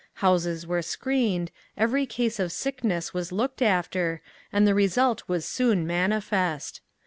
Houses were screened, every case of sickness was looked after, and the result was soon manifest.